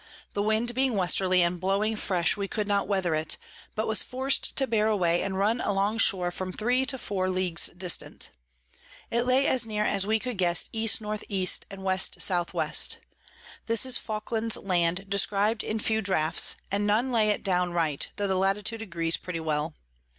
The Wind being Westerly, and blowing fresh, we could not weather it; but was forc'd to bear away and run along Shore from 3 to 4 Ls. dist. It lay as near as we could guess E N E. and W S W. This is Falkland's Land, describ'd in few Draughts, and none lay it down right, tho the Latitude agrees pretty well.